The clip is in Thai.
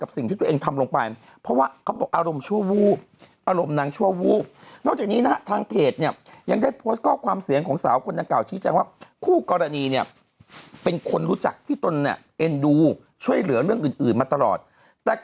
แบบว่าหลายคนอีกนะน้องบอกน้องไม่ได้รุมถอดเสื้อมาด้วย